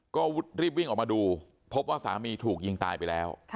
ก็รีบวิ่งออกมาดูพบว่าสามีถูกยิงตายไปแล้ว